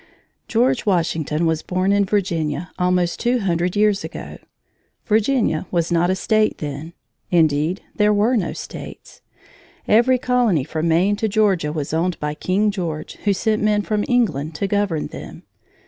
George Washington was born in Virginia almost two hundred years ago. Virginia was not a state then. Indeed, there were no states. Every colony from Maine to Georgia was owned by King George, who sent men from England to govern them.